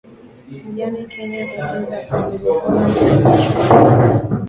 Mjane Kenya aeleza alivyoporwa mali iliyoachiwa na mumewe